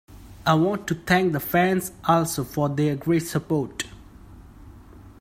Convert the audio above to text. I want to thank the fans also for their great support.